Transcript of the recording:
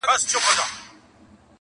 • د همدې غرونو لمن کي -